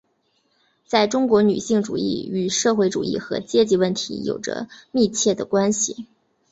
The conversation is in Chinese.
在中国女性主义与社会主义和阶级问题有着密切的关系。